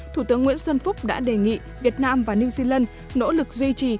thủ tướng nguyễn xuân phúc đã đề nghị việt nam và new zealand nỗ lực duy trì